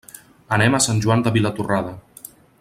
Anem a Sant Joan de Vilatorrada.